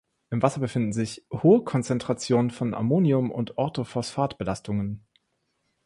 Im Wasser befinden sich hohe Konzentrationen von Ammonium und Ortho-Phosphatbelastungen.